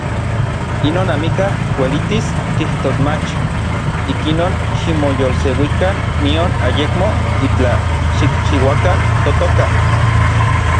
Inon amikaj uelitis kijtos mach. Ikinon ximoyolseuikan nion ayekmo itlaj xikchiuakan totoka.